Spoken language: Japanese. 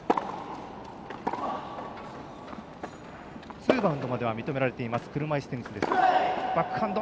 ツーバウンドまでは認められている車いすテニスです。